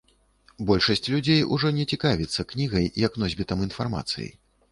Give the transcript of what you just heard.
Большасць людзей ужо не цікавіцца кнігай як носьбітам інфармацыі.